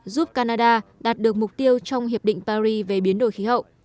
giúp canada đạt được mục tiêu trong hiệp định paris về biến đổi khí hậu